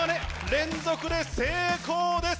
連続で成功です！